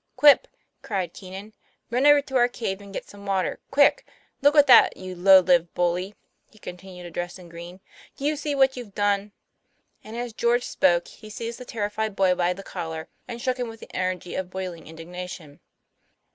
' Quip !" cried Keenan, " run over to our cave and get some water quick ! Look at that, you low lived bully," he continued, addressing Green. "Do you see what you've done?" And as George spoke he seized the terrified boy by the collar, and shook him with the energy of boiling indignation.